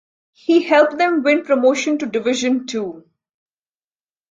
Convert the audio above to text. He helped them win promotion to Division Two.